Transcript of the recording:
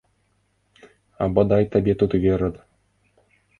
А бадай табе тут верад!